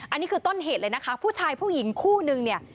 อันนี้คือต้นเหตุเลยนะคะผู้ชายผู้หญิงคู่นึงเนี่ย